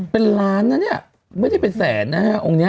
เป็นล้านนะเนี่ยไม่ได้เป็นแสนนะฮะองค์นี้